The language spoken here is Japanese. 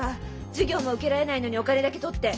授業も受けられないのにお金だけ取って。